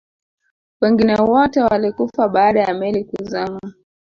wengine wote walikufa baada ya meli kuzama